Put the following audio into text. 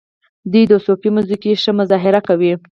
دوی د صوفي موسیقۍ ښه مظاهره کوي.